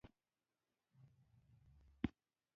تورکى مې رايادېده.